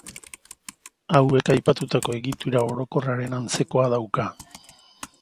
Hauek aipatutako egitura orokorraren antzekoa dauka.